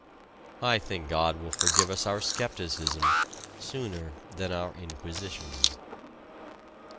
I think God will forgive us our skepticism sooner than our Inquisitions.